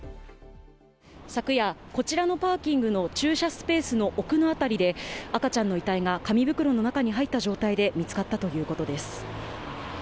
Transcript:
昨夜、こちらのパーキングの駐車スペースの奥のあたりで、赤ちゃんの遺体が紙袋の中に入った状態で見つかったということです。